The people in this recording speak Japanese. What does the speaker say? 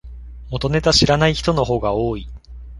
元ネタ知らない人の方が多い